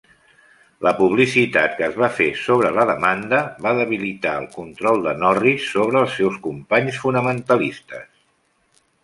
La publicitat que es va fer sobre la demanda va debilitar el control de Norris sobre els seus companys fonamentalistes.